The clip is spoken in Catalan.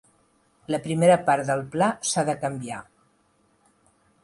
La primera part del pla s'ha de canviar.